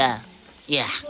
aku rindu semangka